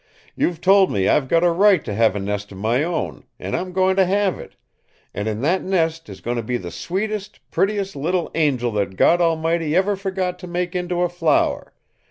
You've told me I've got a right to have a nest of my own, and I'm going to have it an' in that nest is going to be the sweetest, prettiest little angel that God Almighty ever forgot to make into a flower!